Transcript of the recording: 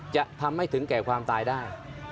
จะทำให้ถึงแก่ความตายได้